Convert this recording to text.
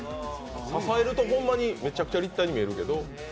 支えるとホンマにめちゃくちゃ立体に見えるけど。